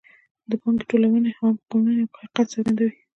د پانګې ټولونې عام قانون یو حقیقت څرګندوي